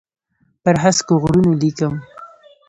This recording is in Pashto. پر هسکو غرونو لیکم